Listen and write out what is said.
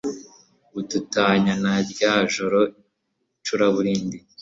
udutanya na rya joro curaburindi